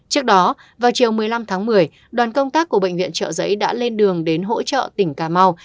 trước đó vào chiều một mươi năm tháng một mươi đoàn công tác của bệnh viện trợ giấy đã lên đường đến hỗ trợ tỉnh cà mau